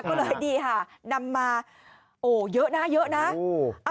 ก็เลยนี่ค่ะนำมาโอ้เยอะนะเยอะนะ